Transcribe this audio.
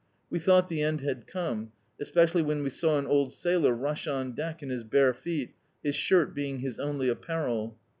We thought the end had come, especially when we saw an old sailor rush on deck in his bare feet, his shirt being his only apparel.